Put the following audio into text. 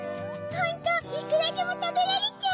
ホントいくらでもたべられちゃう！